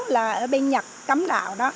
là ở bên nhật cấm đạo đó